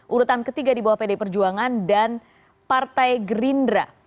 urutan ketiga di bawah pd perjuangan dan partai gerindra